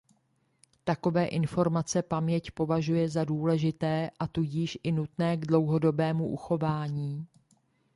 Takové informace paměť považuje za důležité a tudíž i nutné k dlouhodobému uchování.